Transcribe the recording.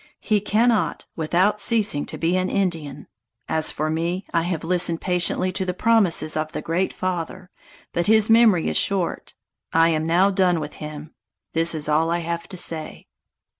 He cannot without ceasing to be an Indian. As for me, I have listened patiently to the promises of the Great Father, but his memory is short. I am now done with him. This is all I have to say."